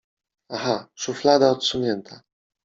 Aha, szuflada odsunięta.